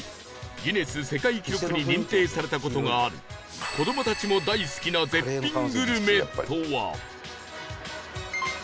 ギネス世界記録に認定された事がある子どもたちも大好きな絶品グルメとは？